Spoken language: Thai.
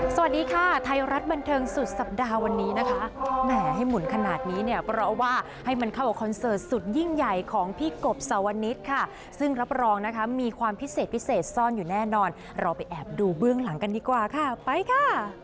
สวัสดีค่ะไทยรัฐบันเทิงสุดสัปดาห์วันนี้นะคะแหมให้หมุนขนาดนี้เนี่ยเพราะว่าให้มันเข้ากับคอนเสิร์ตสุดยิ่งใหญ่ของพี่กบสาวนิดค่ะซึ่งรับรองนะคะมีความพิเศษพิเศษซ่อนอยู่แน่นอนเราไปแอบดูเบื้องหลังกันดีกว่าค่ะไปค่ะ